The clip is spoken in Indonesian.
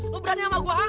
lo berani sama gue ha